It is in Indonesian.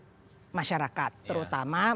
terutama masyarakat yang lebih unfortunate lah gitu ya